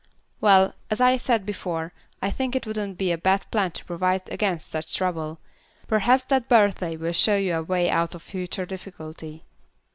"Well, as I said before, I think it wouldn't be a bad plan to provide against such trouble. Perhaps that birthday will show you a way out of future difficulty."